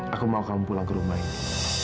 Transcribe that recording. aku mau kamu pulang ke rumah ini